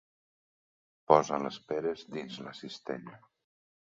Posa les peres dins la cistella.